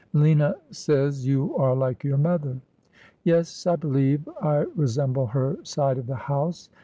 ' Lina says you are like your mother.' ' Yes, I believe I resemble her side of the house.